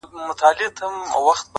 • سمدستي یې سوه تېره چاړه تر غاړه -